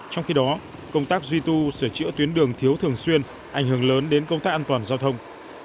trong khi đó công tác duy tu sửa chữa tuyến đường thiếu thường xuyên ảnh hưởng lớn đến công tác an toàn giao thông